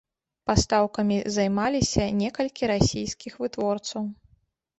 Пастаўкамі займаліся некалькі расійскіх вытворцаў.